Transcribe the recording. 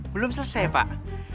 belum selesai pak